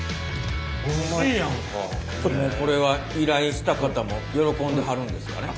これは依頼した方も喜んではるんですかね？